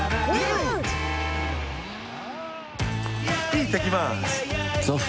いってきます！